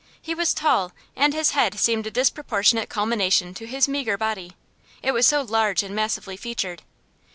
He was tall, and his head seemed a disproportionate culmination to his meagre body, it was so large and massively featured.